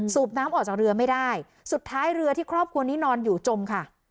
น้ำออกจากเรือไม่ได้สุดท้ายเรือที่ครอบครัวนี้นอนอยู่จมค่ะ